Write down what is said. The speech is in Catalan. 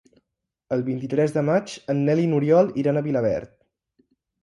El vint-i-tres de maig en Nel i n'Oriol iran a Vilaverd.